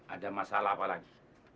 ada masalah apa lagi